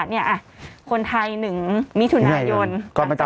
เนี่ยอ่ะคนไทยหนึ่งมิถุนายนเขาไม่ต้องหรอก